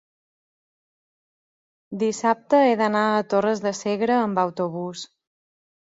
dissabte he d'anar a Torres de Segre amb autobús.